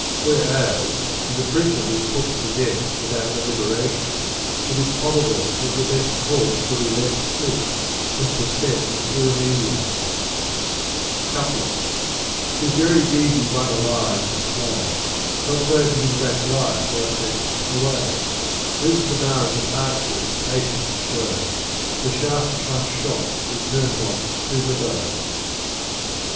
Whereas^ if a prisoner be put to death without deliberation, it is 1 A sort of fekir. Digitized by Google I A probable that the best course win be let slip, since the step is irremediable." Couplets. Tis very easy one alive to slay ; Not so to give back life thou tak'st away : Reason demands that archers patience show, For shafts once shot return not to the bow.